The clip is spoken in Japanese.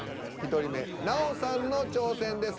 １人目奈緒さんの挑戦です。